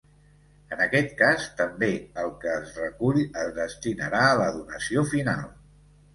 En aquest cas, també el que es recull es destinarà a la donació final.